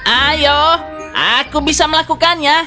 ayo aku bisa melakukannya